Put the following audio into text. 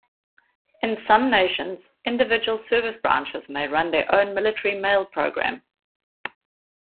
In some nations, individual service branches may run their own military mail program.